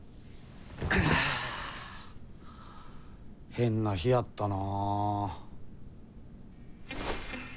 変な日やったな。